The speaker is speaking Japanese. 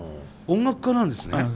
音楽家なんですね？